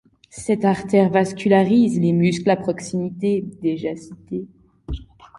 Cette artère vascularise les muscles à proximité, déjà cités.